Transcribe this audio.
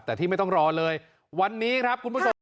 แต่ที่ไม่ต้องรอเลยวันนี้ครับคุณผู้ชม